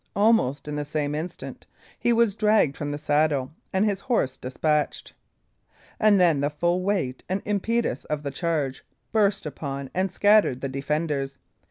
Almost in the same instant he was dragged from the saddle and his horse despatched. And then the full weight and impetus of the charge burst upon and scattered the defenders.